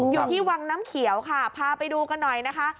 อยู่ที่วังน้ำเขียวค่ะพาไปดูกันหน่อยนะคะ